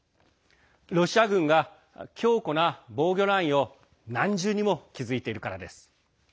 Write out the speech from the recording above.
ロシア軍が強固な防御ラインを何重にも築いているからです。